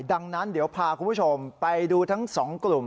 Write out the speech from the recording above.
ดังนั้นเดี๋ยวพาคุณผู้ชมไปดูทั้งสองกลุ่ม